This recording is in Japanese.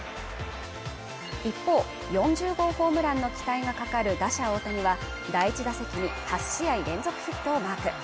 一方４０号ホームランの期待が懸かる打者大谷は第１打席に８試合連続ヒットをマーク